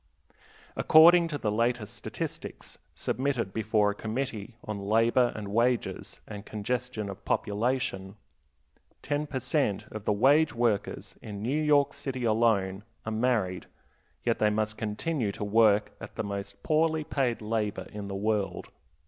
According to the latest statistics submitted before a Committee "on labor and wages, and congestion of population," ten per cent. of the wage workers in New York City alone are married, yet they must continue to work at the most poorly paid labor in the world.